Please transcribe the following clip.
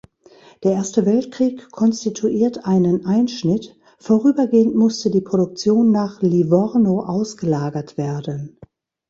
Der Erste Weltkrieg konstituiert einen Einschnitt; vorübergehend musste die Produktion nach Livorno ausgelagert werden.